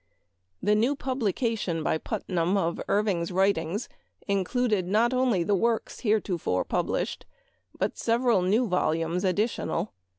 This new publication by Putnam of Irving's writings included not only the works heretofore published, but several new volumes additional.